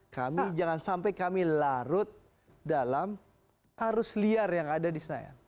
kami jangan sampai kami larut dalam arus liar yang ada di senayan